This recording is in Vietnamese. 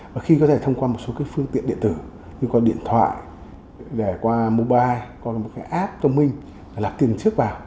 và khi có thể thông qua một số cái phương tiện điện tử như có điện thoại để qua mobile có một cái app thông minh để lạc tiền trước vào